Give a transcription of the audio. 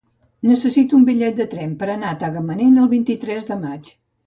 Necessito un bitllet de tren per anar a Tagamanent el vint-i-tres de maig.